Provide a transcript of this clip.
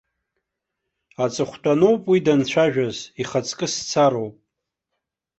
Аҵыхәтәаноуп уи данцәажәаз, ихаҵкы сцароуп.